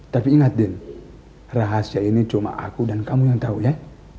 tapi ingat din rahasia ini cuma aku dan kamu yang tahu ya